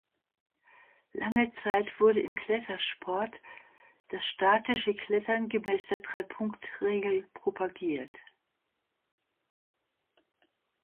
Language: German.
Lange Zeit wurde im Klettersport das statische Klettern gemäß der Drei-Punkt-Regel propagiert.